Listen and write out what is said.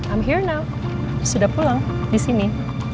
i'm here now sudah pulang disini